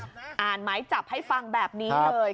อ่านหมายจับให้ฟังแบบนี้เลย